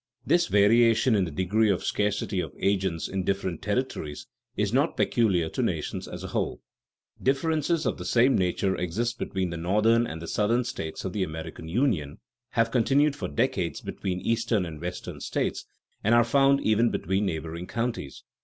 This variation in the degree of scarcity of agents in different territories is not peculiar to nations as a whole. Differences of the same nature exist between the Northern and the Southern states of the American Union, have continued for decades between Eastern and Western states, and are found even between neighboring counties.